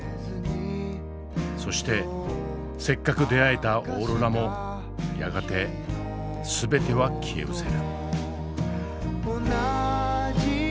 そしてせっかく出逢えたオーロラもやがて全ては消えうせる。